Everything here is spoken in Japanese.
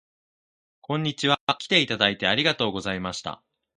こんにちは。きていただいてありがとうございました